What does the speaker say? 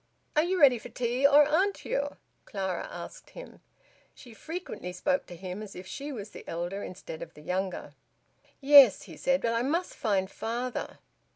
"Are you ready for tea, or aren't you?" Clara asked him. She frequently spoke to him as if she was the elder instead of the younger. "Yes," he said. "But I must find father."